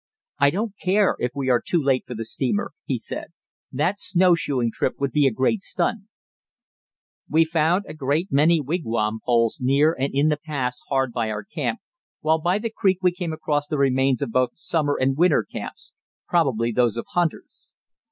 "I don't care if we are too late for the steamer," he said; "that snowshoeing trip would be a great stunt." We found a great many wigwam poles near and in the pass hard by our camp, while by the creek we came across the remains of both summer and winter camps, probably those of hunters.